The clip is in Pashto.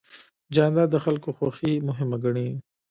جانداد د خلکو خوښي مهمه ګڼي.